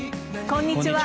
こんにちは。